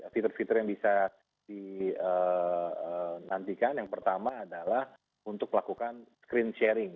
fitur fitur yang bisa dinantikan yang pertama adalah untuk melakukan screen sharing